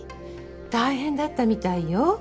大変だったみたいよ。